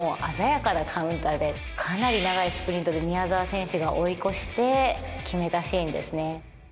３戦目、スペイン戦では、もう鮮やかなカウンターで、かなり長いスプリントで宮澤選手が追い越して決めたシーンですね。